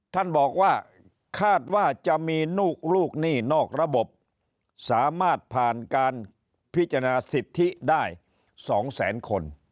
ท่านบอกว่าคาดว่าจะมีลูกหนี้นอกระบบสามารถผ่านการพิจารณาสิทธิได้๒แสนคน